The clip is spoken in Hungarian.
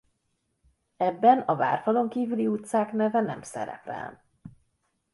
Ebben a várfalon kívüli utcák neve nem szerepel.